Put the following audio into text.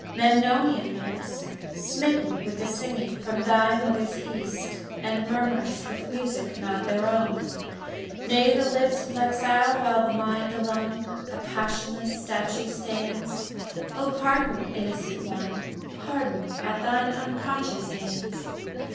Memnonian lips! Smitten with singing from thy mother's east, And murmurous with music not their own: Nay, the lips flexile, while the mind alone A passionless statue stands. Oh, pardon, innocent one! Pardon at thine unconscious hands!